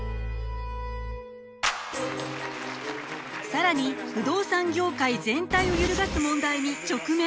更に不動産業界全体を揺るがす問題に直面！